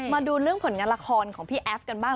มาดูเรื่องผลงานละครของพี่แอฟกันบ้าง